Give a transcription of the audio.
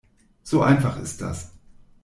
So einfach ist das.